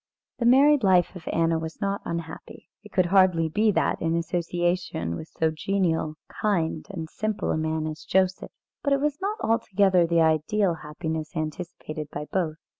The married life of Anna was not unhappy. It could hardly be that in association with so genial, kind, and simple a man as Joseph. But it was not altogether the ideal happiness anticipated by both.